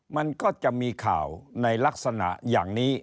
มันก็จะมีข่าวในลักษณะอย่างนี้